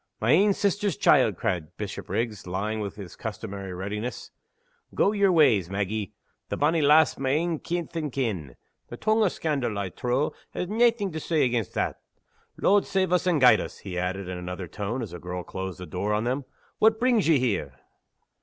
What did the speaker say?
"My ain sister's child!" cried Bishopriggs, lying with his customary readiness. "Go yer ways, Maggie. The bonny lassie's my ain kith and kin. The tongue o' scandal, I trow, has naething to say against that. Lord save us and guide us!" he added In another tone, as the girl closed the door on them, "what brings ye here?"